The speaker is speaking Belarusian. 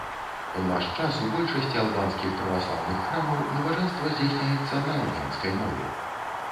У наш час у большасці албанскіх праваслаўных храмаў набажэнства здзяйсняецца на албанскай мове.